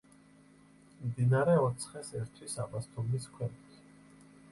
მდინარე ოცხეს ერთვის აბასთუმნის ქვემოთ.